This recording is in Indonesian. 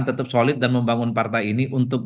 tetap solid dan membangun partai ini untuk